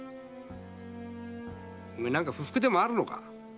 おめえ何か不服でもあんのか？